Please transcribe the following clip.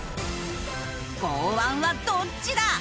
剛腕はどっちだ！？